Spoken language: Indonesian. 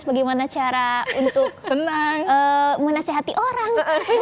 bagaimana cara untuk menasehati orang